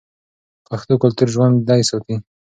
پښتو کلتور ژوندی ساتي.